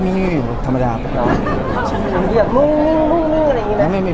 ครับพี่สันไม่มีไม่มีธรรมดาอ๋อมึงมึงมึงมึงมึงอะไรอย่างงี้